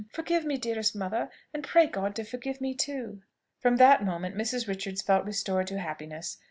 Forgive me, dearest mother; and pray God to forgive me too!" From that moment Mrs. Richards felt restored to happiness.